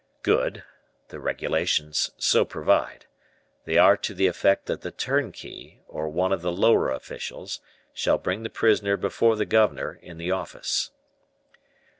"Good; the regulations so provide. They are to the effect that the turnkey, or one of the lower officials, shall bring the prisoner before the governor, in the office."